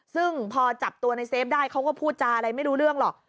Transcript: ซึ่งพอจับตัวในเซฟได้เขาก็พูดจาอะไรไม่รู้เรื่องหรอก